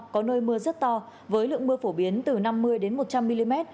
có nơi mưa rất to với lượng mưa phổ biến từ năm mươi một trăm linh mm